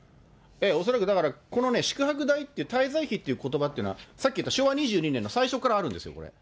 恐らくだから、この宿泊代って、滞在費っていうことばっていうのは、さっきでいうと昭和２２年の最初からあるんですよ。